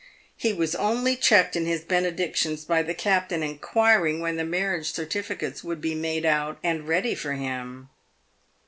He was only checked in his benedictions by the captain inquiring when the marriage certificates would be made out and ready for him.